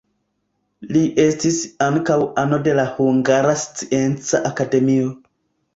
Li estis ankaŭ ano de la Hungara Scienca Akademio.